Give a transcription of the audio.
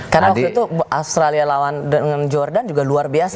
karena waktu itu australia lawan dengan jordan juga luar biasa